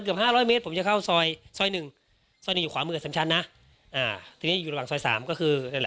เลิกแล้วไม่ได้หรอก